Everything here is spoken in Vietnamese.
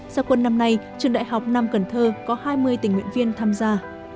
gia quân năm nay trường đại học nam cần thơ có hai mươi tình nguyện viên tham gia